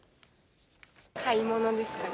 買いものですかね。